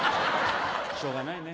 しょうがないね。